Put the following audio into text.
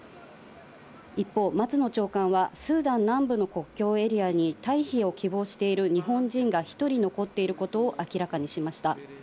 一方、松野長官はスーダン南部の国境エリアに退避を希望している日本人が１人残っていることを明らかにしました。